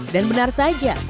dan benar saja